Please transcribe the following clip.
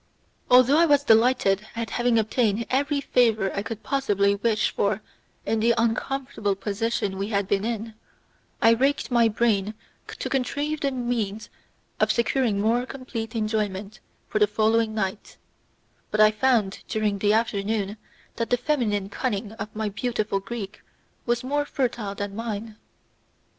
Although I was delighted at having obtained every favour I could possibly wish for in the uncomfortable position we had been in, I racked my brain to contrive the means of securing more complete enjoyment for the following night, but I found during the afternoon that the feminine cunning of my beautiful Greek was more fertile than mine.